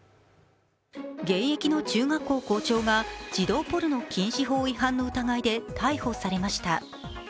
現役の中学校校長が児童ポルノ禁止法違反の疑いで逮捕されました。